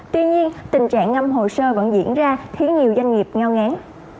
tuy nhiên tình trạng ngâm hồ sơ vẫn diễn ra khiến nhiều doanh nghiệp ngao ngán